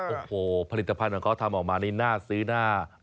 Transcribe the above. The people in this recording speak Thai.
โอ้โหผลิตภัณฑ์ของเขาทำออกมานี่น่าซื้อน่า